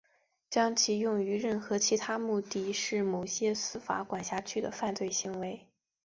将其用于任何其他目的是某些司法管辖区的犯罪行为。